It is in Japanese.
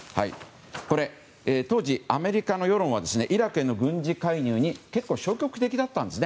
当時、アメリカの世論はイラクへの軍事介入に結構、消極的だったんですね。